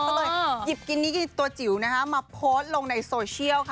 ก็เลยหยิบกินนิกีตัวจิ๋วมาโพสต์ลงในโซเชียลค่ะ